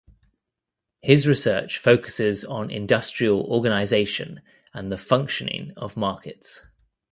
His research focuses on industrial organisation and the functioning of markets.